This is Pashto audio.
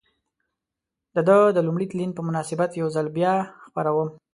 د ده د لومړي تلین په مناسبت یو ځل بیا خپروم.